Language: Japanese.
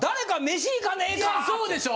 いやそうでしょ！